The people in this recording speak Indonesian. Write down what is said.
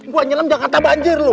gue nyelam jakarta banjir lo